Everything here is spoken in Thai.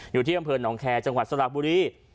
อยู่ที่ห้ามเพลินนองแคร์จังหวัดสลับบุรี